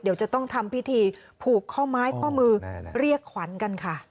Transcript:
เดี๋ยวจะต้องทำพิธีผูกข้อไม้ข้อมือเรียกขวัญกันค่ะ